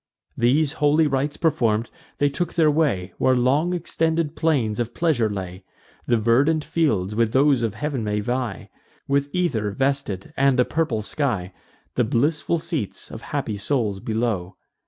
These holy rites perform'd, they took their way Where long extended plains of pleasure lay: The verdant fields with those of heav'n may vie, With ether vested, and a purple sky; The blissful seats of happy souls below.